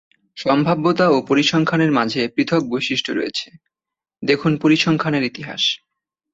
সম্ভাব্যতা ও পরিসংখ্যানের মাঝে পৃথক বৈশিষ্ট্য রয়েছে; দেখুন পরিসংখ্যানের ইতিহাস।